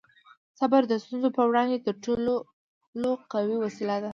صبر د ستونزو په وړاندې تر ټولو قوي وسله ده.